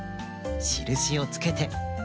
しるしをつけて。